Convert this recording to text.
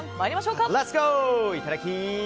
いただき！